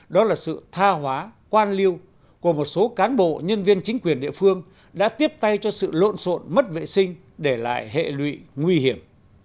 đó là sự tha hóa quan liêu của một số cán bộ nhân viên chính quyền địa phương đã tiếp tay cho sự lộn xộn mất vệ sinh để lại hệ lụy nguy hiểm